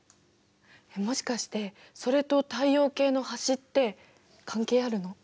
もしかしてそれと太陽系の端って関係あるの？